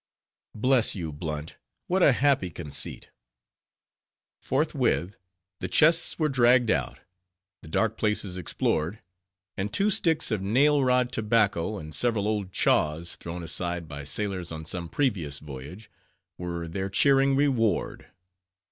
Bless you, Blunt! what a happy conceit! Forthwith, the chests were dragged out; the dark places explored; and two sticks of nail rod tobacco, and several old "chaws," thrown aside by sailors on some previous voyage, were their cheering reward.